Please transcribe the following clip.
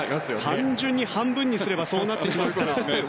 単純に半分にすればそうなってきますから。